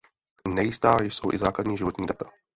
Nejistá jsou i základní životní data.